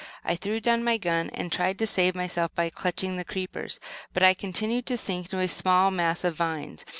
I threw down my gun and tried to save myself by clutching the creepers; but I continued to sink into a mass of vines.